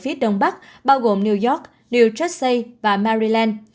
đặc biệt là ở phía đông bắc bao gồm new york new jersey và maryland